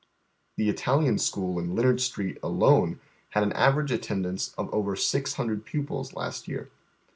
Tlie Italian school in Leonard Street, alone, had an average attendance of over six hun dred pupils last year.